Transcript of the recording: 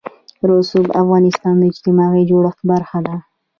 رسوب د افغانستان د اجتماعي جوړښت برخه ده.